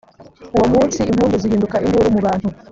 uwo munsi impundu zihinduka induru mu bantu